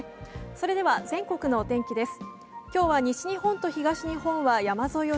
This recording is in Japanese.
それでは全国のお天気です。